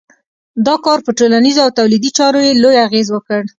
دا کار پر ټولنیزو او تولیدي چارو یې لوی اغېز وکړ.